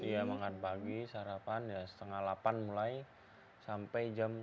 iya makan pagi sarapan ya setengah delapan mulai sampai jam tiga